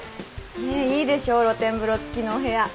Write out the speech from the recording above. ねっいいでしょ露天風呂付きのお部屋。